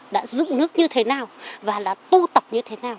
đã dựng nước như thế nào và đã tu tập như thế nào